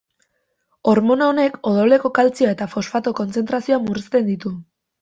Hormona honek odoleko kaltzio eta fosfato kontzentrazioak murrizten ditu.